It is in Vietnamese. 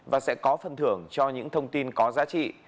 và sẽ có phần thưởng cho những thông tin có giá trị